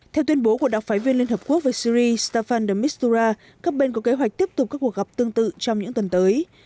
theo tuyên bố của đặc phái viên liên hợp quốc về syri staffan de mistura các bên có kế hoạch tiếp tục các cuộc gặp tương tự trong những tuần tới